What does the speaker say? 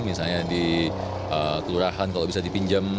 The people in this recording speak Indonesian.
misalnya di kelurahan kalau bisa dipinjam